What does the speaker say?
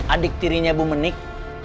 adik tirinya ibu menik